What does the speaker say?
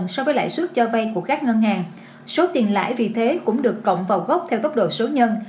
so với lãi suất cho vay của các ngân hàng số tiền lãi vì thế cũng được cộng vào gốc theo tốc độ số nhân